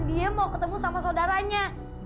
dia mau ketemu sama saudaranya